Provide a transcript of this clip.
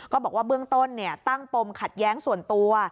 ก็บอกว่าเบื้องต้นตั้งปมขัดแย้งส่วนตัว